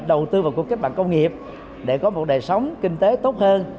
đầu tư vào cuộc kết mạng công nghiệp để có một đời sống kinh tế tốt hơn